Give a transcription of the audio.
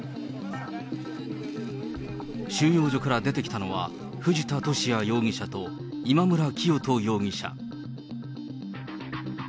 収容所から出てきたのは、藤田聖也容疑者と、今村磨人容疑者。